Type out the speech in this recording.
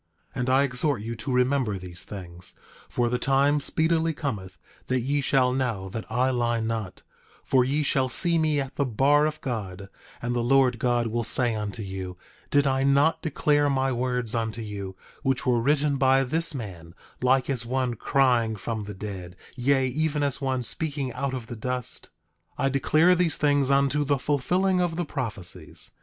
10:27 And I exhort you to remember these things; for the time speedily cometh that ye shall know that I lie not, for ye shall see me at the bar of God; and the Lord God will say unto you: Did I not declare my words unto you, which were written by this man, like as one crying from the dead, yea, even as one speaking out of the dust? 10:28 I declare these things unto the fulfilling of the prophecies.